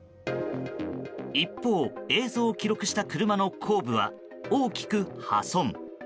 一方、映像を記録した車の後部は大きく破損。